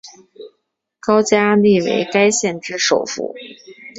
高加力为该县之首府。